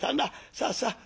さあさあ